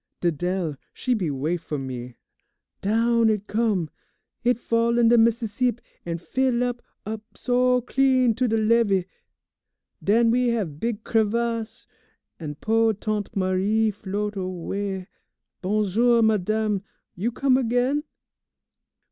Didele, she be wait fo' me. Down h'it come! H'it fall in de Meesseesip, an' fill up up so, clean to de levee, den we have big crivasse, an' po' Tante Marie float away. Bon jour, madame, you come again?